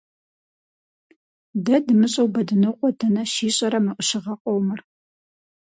Дэ дымыщӀэу, Бэдынокъуэ дэнэ щищӀэрэ мы Ӏущыгъэ къомыр?